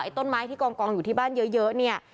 ต้นไม้ที่กองอยู่ที่บ้านเยอะเนี่ย